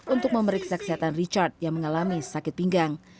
untuk memeriksa kesehatan richard yang mengalami sakit pinggang